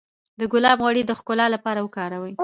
د ګلاب غوړي د ښکلا لپاره وکاروئ